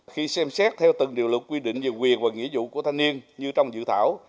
khi xem xét theo từng điều luật quy định về quyền và nghĩa vụ của thanh niên như trong dự thảo